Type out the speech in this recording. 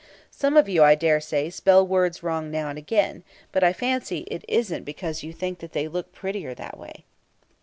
Some of you, I dare say, spell words wrong now and again; but I fancy it isn't because you think they look prettier that way.